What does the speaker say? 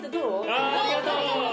ああありがとう！